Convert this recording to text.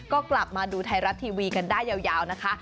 ก็กลับมาดูไทยรัฐทีวีกันได้ยาวนะคะ